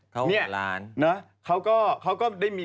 เขาเข้าเข้าอะไร